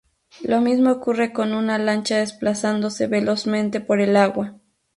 Lo mismo ocurre con una lancha desplazándose velozmente por el agua.